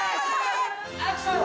◆アクション！